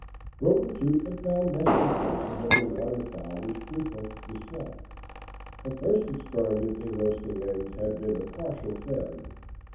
Broken Tooth had found nesting places of the waterfowl which frequented the swamp. Her first experiment in roasting eggs had been a partial failure.